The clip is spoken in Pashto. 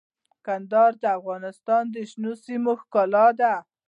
کندهار د افغانستان د شنو سیمو ښکلا ده.